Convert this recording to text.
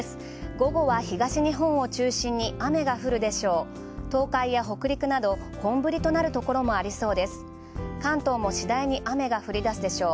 午後は東日本を中心に雨が降るでしょう。